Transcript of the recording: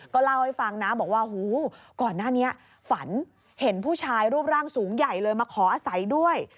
ก็เล่าให้ฟังนะบอกว่าหูก่อนหน้านี้ฝันเห็นผู้ชายรูปร่างสูงใหญ่เลยมาขออาศัยด้วย